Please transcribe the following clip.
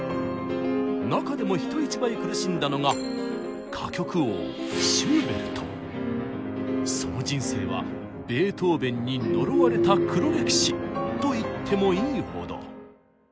中でも人一倍苦しんだのがその人生はベートーベンに呪われた黒歴史と言ってもいいほど。